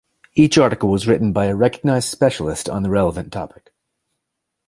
Each article was written by a recognized specialist on the relevant topic.